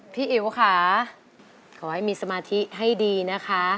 อิ๋วค่ะขอให้มีสมาธิให้ดีนะคะ